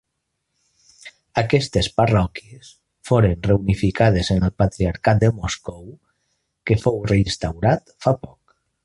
Aquestes parròquies foren reunificades en el Patriarcat de Moscou que fou reinstaurat fa poc.